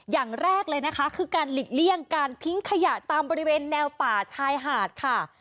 อย่างแรกเลยนะคะคือการหลีกเลี่ยงการทิ้งขยะตามบริเวณแนวป่าชายหาดค่ะ